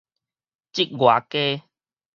接外家